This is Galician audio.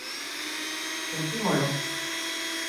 "Sentímolo".